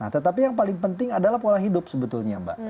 tetapi yang paling penting adalah pola hidup sebetulnya mbak